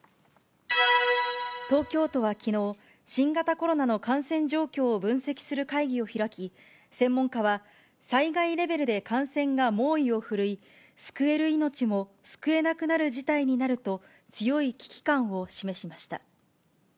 東京都はきのう、新型コロナの感染状況を分析する会議を開き、専門家は災害レベルで感染が猛威を振るい、救える命も救えなくなる事態になると、強い危機感を示しました。